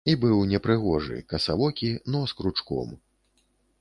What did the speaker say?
І быў непрыгожы, касавокі, нос кручком.